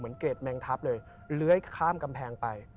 เกรดแมงทัพเลยเลื้อยข้ามกำแพงไป